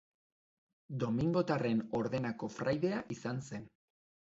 Domingotarren ordenako fraidea izan zen.